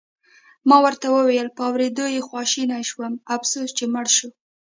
ما ورته وویل: په اورېدو یې خواشینی شوم، افسوس چې مړ شو.